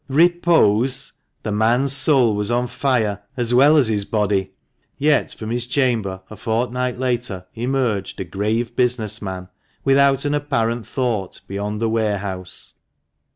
Repose! The man's soul was on fire, as well as his body. Yet from his chamber a fortnight later emerged a grave business man, without an apparent thought beyond the warehouse.